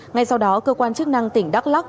ngay sau đó cơ quan chức năng tỉnh đắk lắc